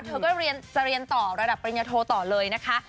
เธอก็จะเรียนต่อระดับปริญญาโทต่อเลยนะคะ